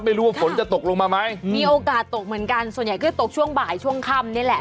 ไม่รู้ว่าฝนจะตกลงมาไหมมีโอกาสตกเหมือนกันส่วนใหญ่ก็ตกช่วงบ่ายช่วงค่ำนี่แหละ